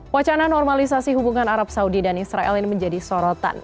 wacana normalisasi hubungan arab saudi dan israel ini menjadi sorotan